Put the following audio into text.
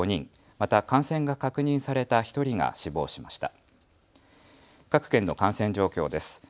また感染が確認された１人が死亡しました。